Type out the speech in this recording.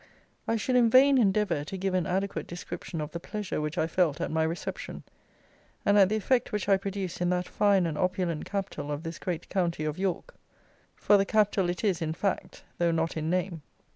I should in vain endeavour to give an adequate description of the pleasure which I felt at my reception, and at the effect which I produced in that fine and opulent capital of this great county of York; for the capital it is in fact, though not in name.